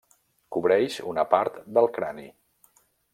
Cobreix una part del crani.